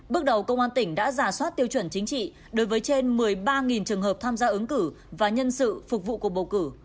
bước đầu công an tỉnh đã giả soát tiêu chuẩn chính trị đối với trên một mươi ba trường hợp tham gia ứng cử và nhân sự phục vụ cuộc bầu cử